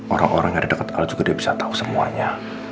orang orang yang ada dekat al juga dia bisa tahu semuanya